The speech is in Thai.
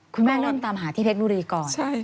คุณแม่ก็ออกตามหาที่เผ็ดบุรีก่อน